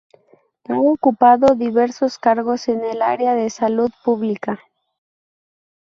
Ha ocupado diversos cargos en el área de la Salud Pública.